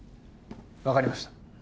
分かりました